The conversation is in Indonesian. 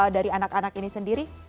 dari anak anak ini sendiri